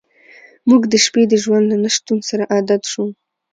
موږ د شپې د ژوند له نشتون سره عادت شو